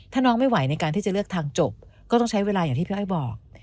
ถ้าน้องไม่ไหวในการที่จะเลือกทางจบก็ต้องใช้เวลาอย่างที่พี่อ้อยบอก